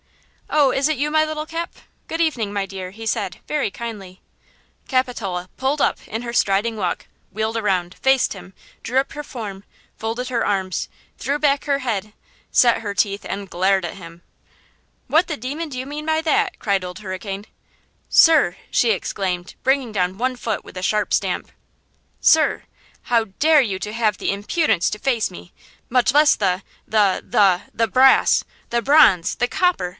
"Oh, it is you, my little Cap? Good evening, my dear," he said, very kindly. Capitola "pulled up" in her striding walk, wheeled around, faced him, drew up her form, folded her arms, threw back her head, set her teeth and glared at him. "What the demon do you mean by that?" cried Old Hurricane. "Sir!" she exclaimed, bringing down one foot with a sharp stamp; "sir! how dare you have to impudence to face me? much less the–the–the–the brass! the bronze! the copper!